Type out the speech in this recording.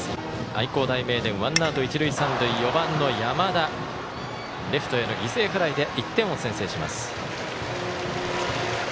愛工大名電はワンアウト、一塁三塁４番の山田レフトへの犠牲フライで１点を先制します。